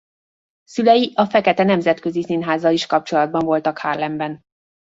Szülei a fekete nemzetközi színházzal is kapcsolatban voltak Harlemben.